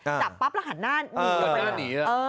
จับปั๊บแล้วหันหน้านี